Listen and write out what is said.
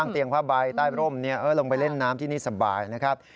เตียงผ้าใบใต้ร่มลงไปเล่นน้ำที่นี่สบายนะครับ